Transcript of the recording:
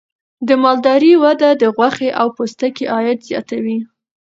د مالدارۍ وده د غوښې او پوستکي عاید زیاتوي.